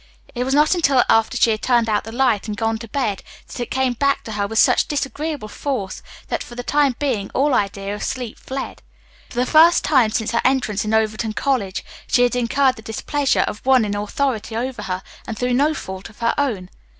It was not until after she had turned out the light and gone to bed that it came back to her with such disagreeable force that for the time being all idea of sleep fled. For the first time since her entrance into Overton College she had incurred the displeasure of one in authority over her, and through no fault of her own.